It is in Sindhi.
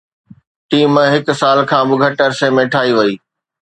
ٽيم هڪ سال کان به گهٽ عرصي ۾ ٺاهي وئي